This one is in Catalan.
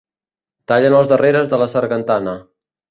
Tallen els darreres de la sargantana.